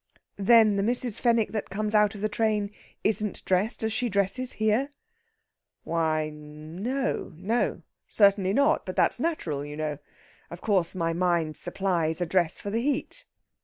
"Then the Mrs. Fenwick that comes out of the train isn't dressed as she dresses here?" "Why, n n no!... No, certainly not. But that's natural, you know. Of course, my mind supplies a dress for the heat."